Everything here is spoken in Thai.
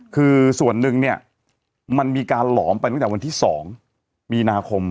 คือส่วนหนึ่งเนี่ยมันมีการหลอมไปตั้งแต่วันที่๒มีนาคม